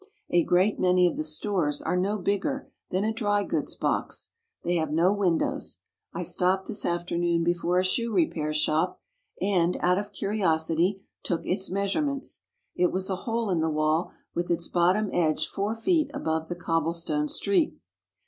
A great many of the stores are no bigger than a dry goods box. They have no windows. I stopped this afternoon before a shoe repair shop, and, out of curiosity, took its measurements. It was a hole in the wall with its bottom edge four feet above the cobble stone street.